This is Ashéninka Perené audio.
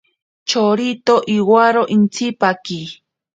Chorito iwaro intsipaki.